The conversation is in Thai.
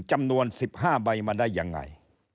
จำนวน๑๕ใบมาได้ยังไง